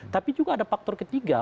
tapi juga ada faktor ketiga